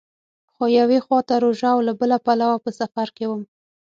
خو یوې خوا ته روژه او له بله پلوه په سفر کې وم.